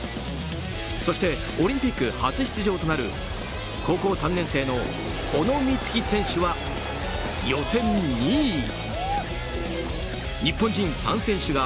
そしてオリンピック初出場となる高校３年生の小野光希選手は予選２位。